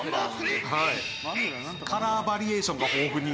「カラーバリエーションが豊富に」